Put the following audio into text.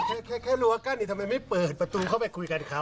เดี๋ยวแค่รู้กันทำไมไม่เปิดประตูเข้าไปคุยกันครับ